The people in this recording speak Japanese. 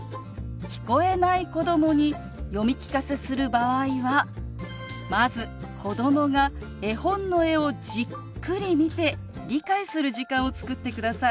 聞こえない子どもに読み聞かせする場合はまず子どもが絵本の絵をじっくり見て理解する時間を作ってください。